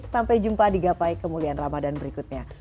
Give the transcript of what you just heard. sampai jumpa di gapai kemuliaan ramadan berikutnya